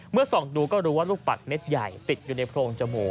ส่องดูก็รู้ว่าลูกปัดเม็ดใหญ่ติดอยู่ในโพรงจมูก